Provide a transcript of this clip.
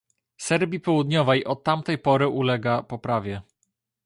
Serbii Południowej od tamtej pory ulega poprawie